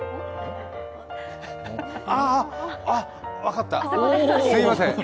ああ、あっ、分かったすいません。